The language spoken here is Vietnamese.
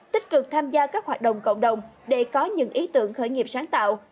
tích cực tham gia các hoạt động cộng đồng để có những ý tưởng khởi nghiệp sáng tạo